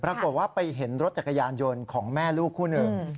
ปรากฏว่าไปเห็นรถจักรยานยนต์ของแม่ลูกคู่หนึ่ง